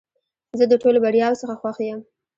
زه د ټولو بریاوو څخه خوښ یم .